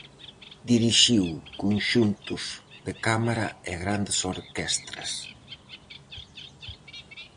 Dirixiu conxuntos de cámara e grandes orquestras.